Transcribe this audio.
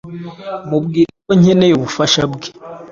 mubwira ko nkeneye ubufasha bwe